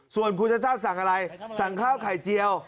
ส่วนคุณชาติชาติสั่งอะไรสั่งข้าวไข่เจียว